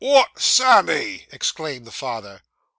'What, Sammy!' exclaimed the father.